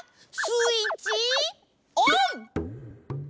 スイッチオン！